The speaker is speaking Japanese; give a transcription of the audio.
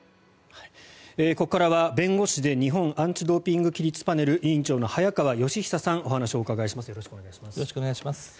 ここからは弁護士で日本アンチ・ドーピング規律パネル委員長の早川吉尚さんにお話をお伺いします。